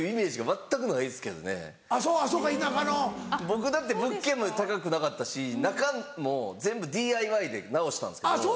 僕だって物件も高くなかったし中も全部ＤＩＹで直したんですけど。